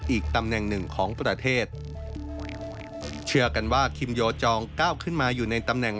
อีกตำแหน่งหนึ่งของประเทศเชื่อกันว่าคิมโยจองก้าวขึ้นมาอยู่ในตำแหน่ง